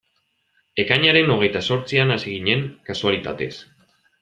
Ekainaren hogeita zortzian hasi ginen, kasualitatez.